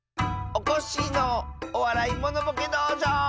おこっしぃの「おわらいモノボケどうじょう」！